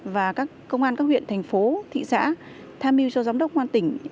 và các công an các huyện thành phố thị xã tham mưu cho giám đốc ngoan tỉnh